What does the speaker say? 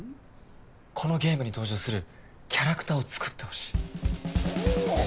このゲームに登場するキャラクターを作ってほしいああ！